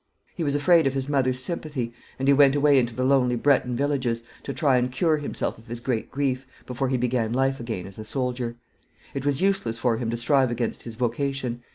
He was afraid of his mother's sympathy, and he went away into the lonely Breton villages, to try and cure himself of his great grief, before he began life again as a soldier. It was useless for him to strive against his vocation.